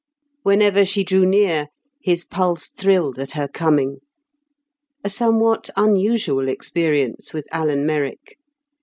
Whenever she drew near, his pulse thrilled at her coming—a somewhat unusual experience with Alan Merrick.